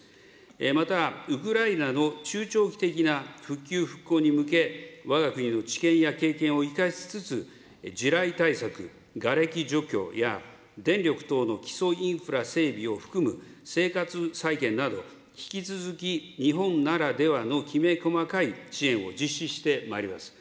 また、ウクライナの中長期的な復旧・復興に向け、わが国の知見や経験を生かしつつ、地雷対策、がれき除去や、電力等の基礎インフラ整備を含む生活再建など、引き続き日本ならではのきめ細かい支援を実施してまいります。